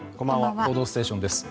「報道ステーション」です。